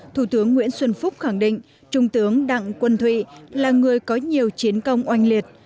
thủ tướng nguyễn xuân phúc khẳng định trung tướng đặng quân thụy là người có nhiều chiến công oanh liệt